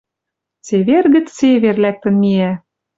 Цевер гӹц цевер лӓктӹн миӓ.